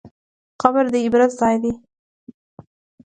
قبر د عبرت ځای دی.